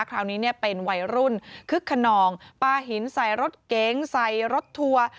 คราวนี้เนี่ยเป็นวัยรุ่นคึกขนองปลาหินใส่รถเก๋งใส่รถทัวร์